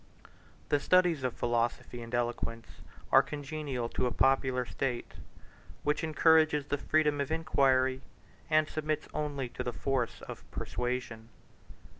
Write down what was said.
The studies of philosophy and eloquence are congenial to a popular state, which encourages the freedom of inquiry, and submits only to the force of persuasion.